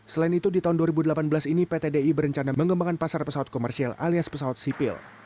selain itu di tahun dua ribu delapan belas ini pt di berencana mengembangkan pasar pesawat komersial alias pesawat sipil